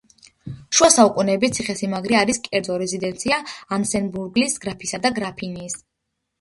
შუა საუკუნეების ციხესიმაგრე არის კერძო რეზიდენცია ანსემბურგის გრაფისა და გრაფინიის.